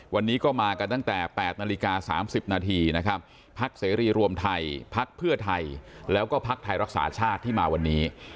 วันนี้ก็มากันตั้งแต่๘นาฬิกา๓๐นาทีนะครับพักเสรีรวมไทยพักเพื่อไทยแล้วก็พักไทยรักษาชาติที่มาวันนี้